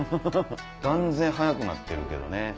断然早くなってるけどね